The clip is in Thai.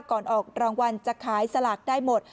ออกรางวัลจะขายสลากได้หมด